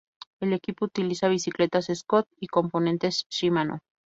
El equipo utiliza bicicletas "Scott" y componentes Shimano.